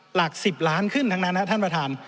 หลัก๑๐ล้านขึ้นทั้งนั้นนะท่านประธาน